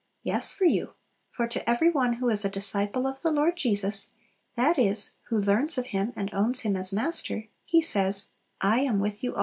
Yes, for you; for to every one who is a disciple of the Lord Jesus (that is, who learns of Him and owns Him as Master), He says, "I am with you alway."